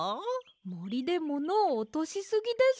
もりでものをおとしすぎです。